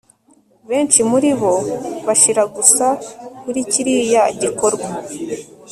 benshi muribo bashira gusa kuri kiriya gikorwa